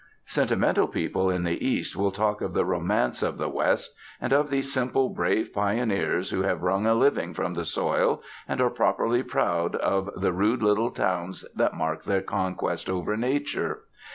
Sentimental people in the East will talk of the romance of the West, and of these simple, brave pioneers who have wrung a living from the soil, and are properly proud of the rude little towns that mark their conquest over nature.